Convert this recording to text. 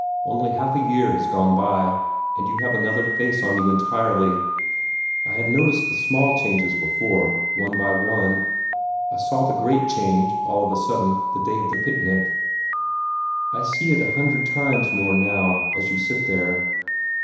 Only half a year has gone by, and you have another face on you entirely. I had noticed the small changes before, one by one. I saw the great change, all of a sudden, the day of the picnic. I see it a hundred times more now, as you sit there.